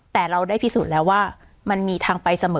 แต่เราได้พิสูจน์แล้วว่ามันมีทางไปเสมอ